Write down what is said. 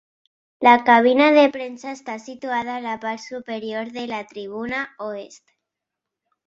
La cabina de premsa està situada a la part superior de la tribuna oest.